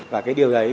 và cái điều đấy